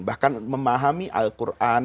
bahkan memahami al quran